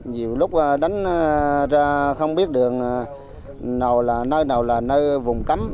nhiều lúc đánh ra không biết đường nào là nơi nào là nơi vùng cấm